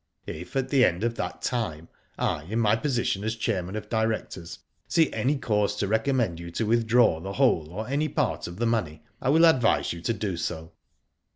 If, at the end of that time, I, in my position as chairman of directors, see any cause to recommend you to withdraw the whole or any part of the money, I will advise you to do so."